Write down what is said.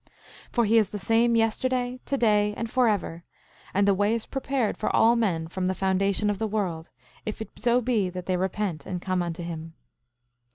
10:18 For he is the same yesterday, to day, and forever; and the way is prepared for all men from the foundation of the world, if it so be that they repent and come unto him.